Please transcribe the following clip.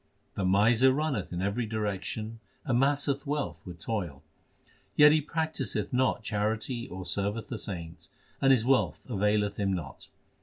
The miser running in every direction amasseth wealth with toil ; Yet he practiseth not charity or serveth the saints, and his wealth availeth him not.